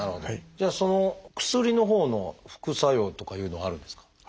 その薬のほうの副作用とかいうのはあるんですか？